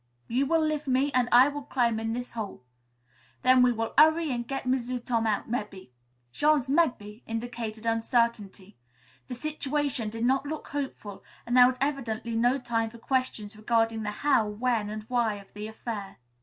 You will lif' me an' I will clim' in this hole. Then we 'urry an' get M'sieu' Tom out, mebbe." Jean's "mebbe" indicated uncertainty. The situation did not look hopeful and there was evidently no time for questions regarding the how, when and why of the affair.